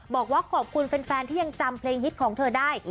บอกว่าขอบคุณแฟนที่ยังจำเพลงฮิตของเธอได้